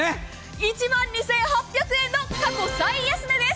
１万２８００円の過去最安値です。